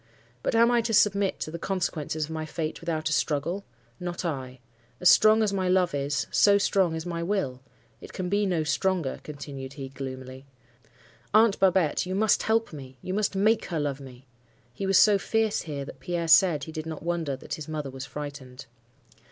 But am I to submit to the consequences of my fate without a struggle? Not I. As strong as my love is, so strong is my will. It can be no stronger,' continued he, gloomily. 'Aunt Babette, you must help me—you must make her love me.' He was so fierce here, that Pierre said he did not wonder that his mother was frightened.